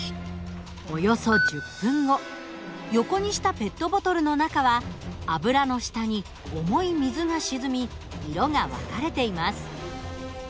横にしたペットボトルの中は油の下に重い水が沈み色が分かれています。